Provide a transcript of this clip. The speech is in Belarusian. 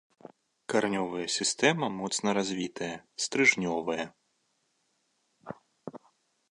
Каранёвая сістэма моцна развітая, стрыжнёвая.